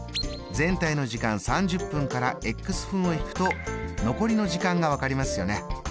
全体の時間３０分から分を引くと残りの時間が分かりますよね。